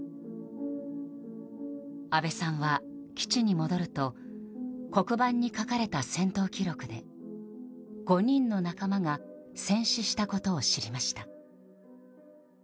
阿部さんは基地に戻ると黒板に書かれた戦闘記録で５人の仲間が戦死したことを知りました。